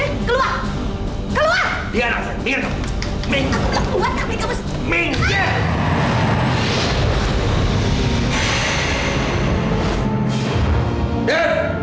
aku bilang gak ada dev gak ada